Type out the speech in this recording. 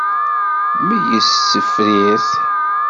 Meyyez s tifrirt.